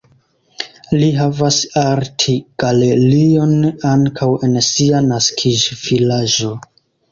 Li havas artgalerion ankaŭ en sia naskiĝvilaĝo.